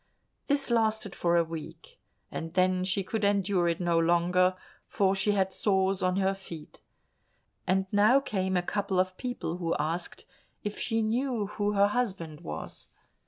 This lasted for a week, and then she could endure it no longer, for she had sores on her feet. And now came a couple of people who asked if she knew who her husband was.